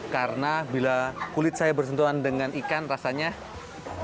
karena bila kulit saya bersentuhan dengan ikan rasanya geli